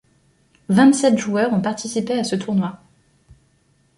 Vingt-sept joueurs ont participé à ce tournoi.